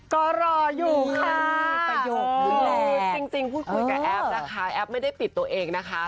ก็รออยู่ค่ะจริงพูดคุยกับแอฟนะคะแอฟไม่ได้ปิดตัวเองนะคะ